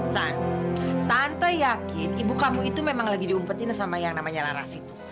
tante yakin ibu kamu itu memang lagi diumpetin sama yang namanya laras itu